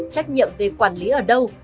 trách nhiệm về quản lý ở đâu